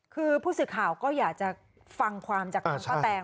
คือผู้ศึกข่าก็อยากจะฟังความจากคุณป้าแตง